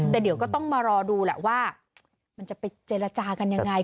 แต่เดี๋ยวก็ต้องมารอดูแหละว่ามันจะไปเจรจากันยังไง